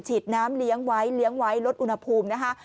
ฉีดน้ำเลี้ยงไว้เลี้ยงไว้ลดอุณหภูมินะคะ